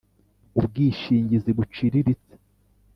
ubwishingizi buciriritse